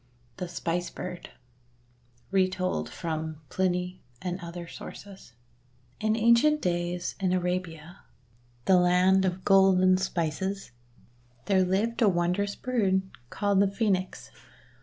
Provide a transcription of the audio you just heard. THE SPICE BIRD Retold from Pliny and Other Sources IN ancient days, in Arabia, the land of gold and spices, there lived a wondrous bird called the Phoenix.